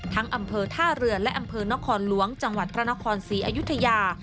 อำเภอท่าเรือและอำเภอนครหลวงจังหวัดพระนครศรีอยุธยา